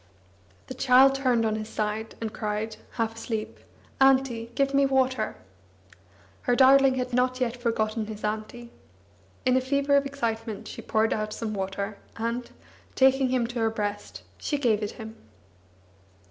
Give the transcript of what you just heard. The child turned on his side, and cried, half asleep: "Auntie, give me water." Her darling had not yet forgotten his auntie! In a fever of excitement, she poured out some water, and, taking him to her breast, she gave it him.